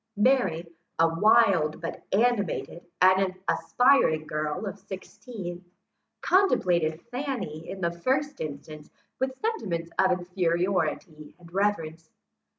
Mary, a wild, but animated and aspiring girl of sixteen, contemplated Fanny, in the first instance, with sentiments of inferiority and reverence.